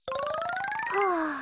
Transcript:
はあ。